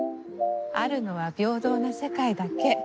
あるのは平等な世界だけ。